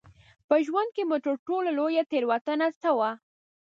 په ژوند کې مو تر ټولو لویه تېروتنه څه وه؟